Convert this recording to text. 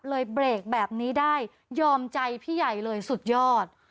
เบรกแบบนี้ได้ยอมใจพี่ใหญ่เลยสุดยอด